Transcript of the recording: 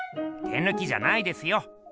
手ぬきじゃないですよ。